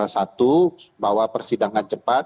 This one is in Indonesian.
satu bahwa persidangan cepat